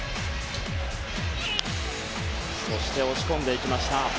押し込んでいきました。